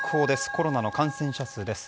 コロナの感染者数です。